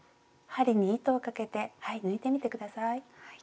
針に糸をかけて抜いてみて下さい。